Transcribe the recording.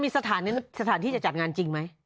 มีสถานที่จะจัดงานจริงไหม